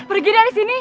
pergi dari sini